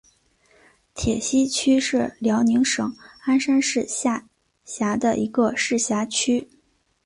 铁西区是辽宁省鞍山市下辖的一个市辖区。